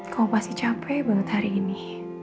kau pasti capek banget hari ini